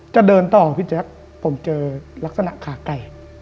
จะเดินต่อพี่แจ๊คผมเจอลักษณะขาไก่